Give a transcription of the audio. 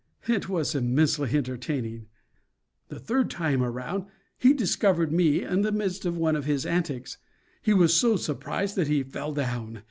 It was immensely entertaining. The third time around he discovered me in the midst of one of his antics. He was so surprised that he fell down.